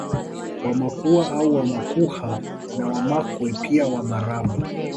Wamakua au Wamakhuwa na Wamakwe pia Wamaraba